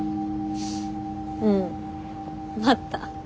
うん待った。